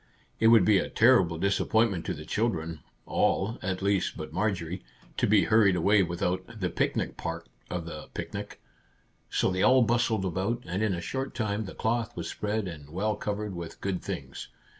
It would be a terrible disappointment to the children (all, at least, but Marjorie !) to be hurried away without " the picnic part of the picnic." So they all bustled about, and in a short time the cloth was spread, and well covered with good things.